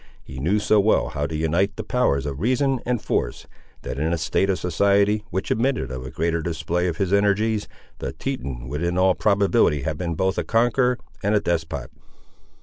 He knew so well how to unite the powers of reason and force, that in a state of society, which admitted of a greater display of his energies, the Teton would in all probability have been both a conqueror and a despot.